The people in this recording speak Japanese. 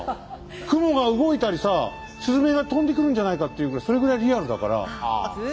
雲が動いたりさスズメが飛んでくるんじゃないかっていうぐらいそれぐらいリアルだから。